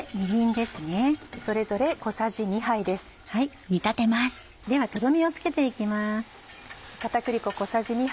ではとろみをつけて行きます。